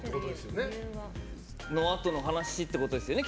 そのあとってことですよね。